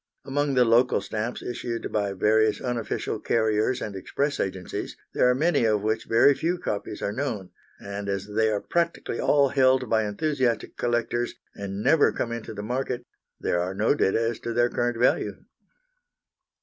Among the local stamps issued by various unofficial carriers and express agencies, there are many of which very few copies are known, and as they are practically all held by enthusiastic collectors, and never come into the market, there are no data as to their current value.